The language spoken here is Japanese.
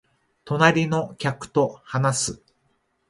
隣の客と話す